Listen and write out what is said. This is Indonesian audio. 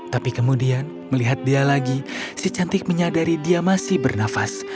tapi kemudian melihat dia lagi si cantik menyadari dia masih bernafas